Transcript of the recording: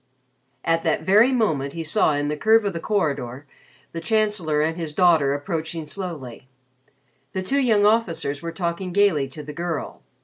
At that very moment he saw at the curve of the corridor the Chancellor and his daughter approaching slowly. The two young officers were talking gaily to the girl.